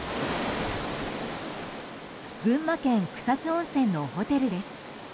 群馬県草津温泉のホテルです。